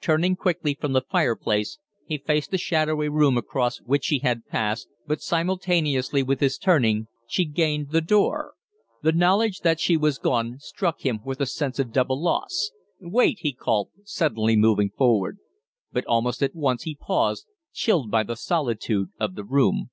Turning quickly from the fireplace, he faced the shadowy room across which she had passed, but simultaneously with his turning she gained the door. The knowledge that she was gone struck him with a sense of double loss. "Wait!" he called, suddenly moving forward. But almost at once he paused, chilled by the solitude of the room.